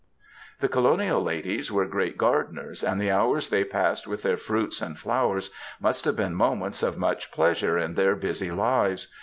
The colonial ladies were great gardeners, and the hours they passed with their fruits and flowers must have been moments of much pleasure in their busy lives.